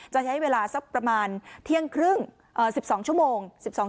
จะใช้เวลาสักประมาณเที่ยงครึ่ง๑๒ชั่วโมง